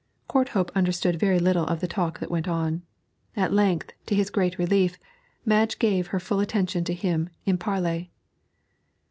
Courthope understood very little of the talk that went on. At length, to his great relief, Madge gave her full attention to him in parley.